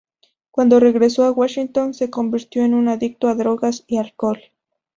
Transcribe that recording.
Cuando regresó a Washington, se convirtió en un adicto a drogas y alcohol.